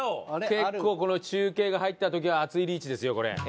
結構この中継が入った時は熱いリーチですよこれ。